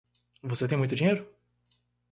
Você tem muito dinheiro?